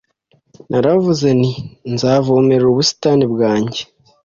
naravuze nti nzavomerera ubusitani bwanjye